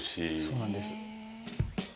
そうなんです。